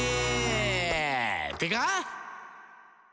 「ってか！」